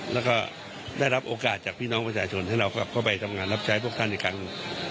แล้วก็ได้รับโอกาสจากพี่น้องประชาชนให้เรากลับเข้าไปทำงานรับใช้พวกท่านอีกครั้งหนึ่ง